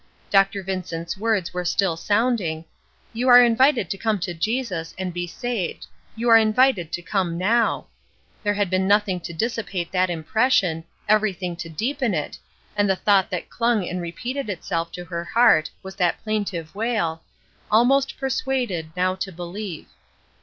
Dr. Vincent's words were still sounding, "you are invited to come to Jesus and be saved; you are invited to come now." There had been nothing to dissipate that impression, everything to deepen it, and the thought that clung and repeated itself to her heart was that plaintive wail: "Almost persuaded, now to believe."